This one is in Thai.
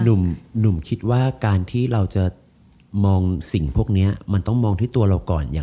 หนุ่มคิดว่าการที่เราจะมองสิ่งพวกนี้มันต้องมองที่ตัวเราก่อนอย่าง